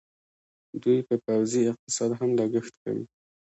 دوی په پوځي اقتصاد هم لګښت کوي.